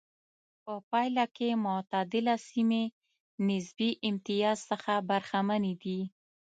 په پایله کې معتدله سیمې نسبي امتیاز څخه برخمنې دي.